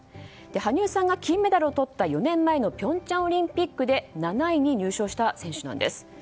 羽生さんが金メダルをとった４年前の平昌オリンピックで７位に入賞した選手です。